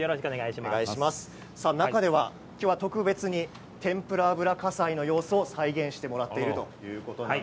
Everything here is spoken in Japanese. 中では今日は特別に天ぷら油火災の様子を再現してもらっているということなんです。